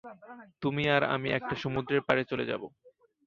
তুমি আর আমি একটা সমুদ্রের পাড়ে চলে যাব।